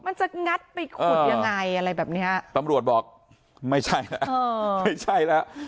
งัดไปขุดยังไงอะไรแบบนี้ฮะตำรวจบอกไม่ใช่นะไม่ใช่นะ